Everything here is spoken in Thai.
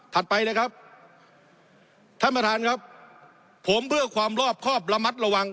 ไปเลยครับท่านประธานครับผมเพื่อความรอบครอบระมัดระวัง